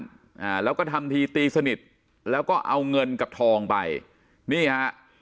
อ่าแล้วก็ทำทีตีสนิทแล้วก็เอาเงินกับทองไปนี่ฮะ